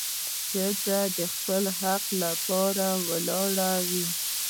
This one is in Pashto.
ښځه د خپل حق لپاره ولاړه وي.